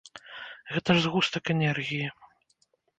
Гэта ж згустак энергіі.